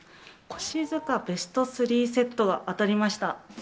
腰塚ベスト３セットが当たりました。